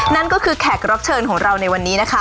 นั่นก็คือแขกรับเชิญของเราในวันนี้นะคะ